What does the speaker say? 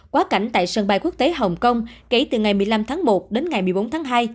quá cảnh tại sân bay quốc tế hồng kông kể từ ngày một mươi năm tháng một đến ngày một mươi bốn tháng hai